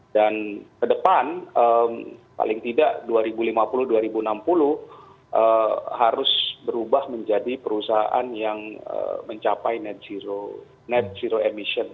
ke depan paling tidak dua ribu lima puluh dua ribu enam puluh harus berubah menjadi perusahaan yang mencapai net zero net zero emission